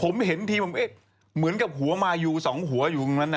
ผมเห็นทีผมเหมือนกับหัวมายูสองหัวอยู่ตรงนั้น